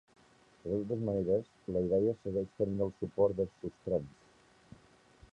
De totes maneres, la idea segueix tenint el suport de Sustrans.